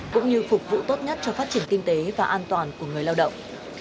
cũng như phục vụ tốt nhất cho phát triển kinh tế và an toàn của người lao động